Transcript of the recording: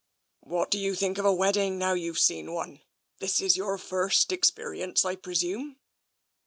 " What do you think of a wedding, now you've seen one? This is your first experience, I presume?"